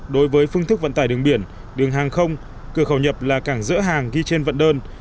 đối với phương thức vận tải đường biển đường hàng không cửa khẩu nhập là cảng dỡ hàng ghi trên vận đơn